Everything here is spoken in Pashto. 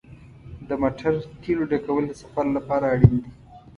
د موټر تیلو ډکول د سفر لپاره اړین دي.